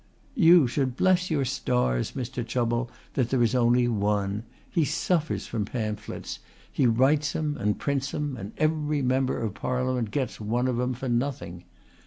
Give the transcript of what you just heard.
"You should bless your stars, Mr. Chubble, that there is only one. He suffers from pamphlets. He writes 'em and prints 'em and every member of Parliament gets one of 'em for nothing.